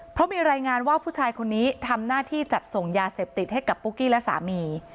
เพราะมีรายงานว่าผู้ชายคนนี้ทำหน้าที่จัดส่งยาเสพติดให้กับปุ๊กกี้และสามี